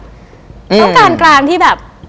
ต้องการกลางที่แบบ